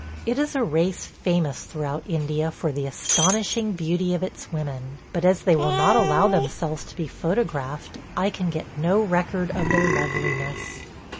... It is a race famous throughout India for the astonishing beauty of its women; but as they will not allow themselves to be photographed, I can get no record of their loveliness.